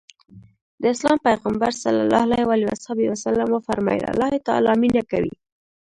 د اسلام پيغمبر ص وفرمايل الله تعالی مينه کوي.